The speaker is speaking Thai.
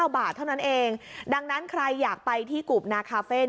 บาทเท่านั้นเองดังนั้นใครอยากไปที่กรุบนาคาเฟ่